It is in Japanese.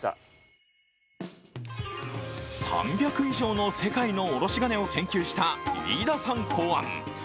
３００以上の世界のおろし金を研究した飯田さん考案